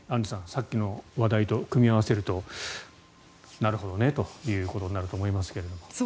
さっきの話題と組み合わせるとなるほどねということになると思いますけども。